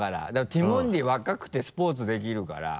ティモンディ若くてスポーツできるから。